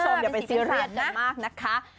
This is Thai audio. เดี๋ยวไปซีเรียสกันมากนะคะเป็นสีเป็นสารนะ